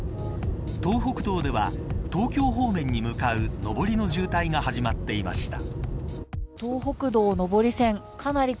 東北道では、東京方面に向かう上りの渋滞が始まっていました。